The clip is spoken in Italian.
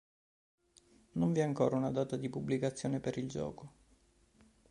Non vi è ancora una data di pubblicazione per il gioco.